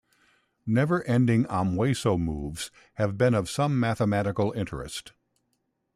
Never ending omweso moves have been of some mathematical interest.